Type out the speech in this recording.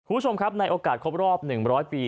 คุณผู้ชมครับในโอกาสครบรอบ๑๐๐ปี